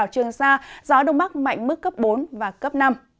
trường sa gió đông bắc mạnh mức cấp bốn và cấp năm